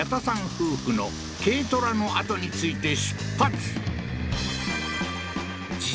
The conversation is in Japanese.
夫婦の軽トラのあとについて出発